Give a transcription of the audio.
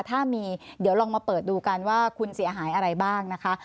ถ้ามีเดี๋ยวลองมาเปิดดูกันว่าคุณเสียหายอะไรบ้างนะคะ